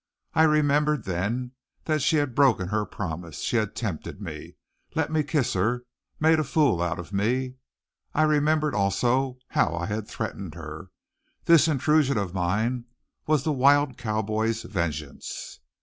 I remembered, then, that she had broken her promise, she had tempted me, led me to kiss her, made a fool out of me. I remembered, also how I had threatened her. This intrusion of mine was the wild cowboy's vengeance.